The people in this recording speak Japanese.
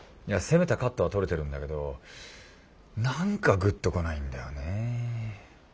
いや攻めたカットは撮れてるんだけど何かグッとこないんだよね。